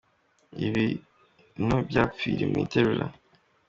Ibi intu byapfiri mu itegura.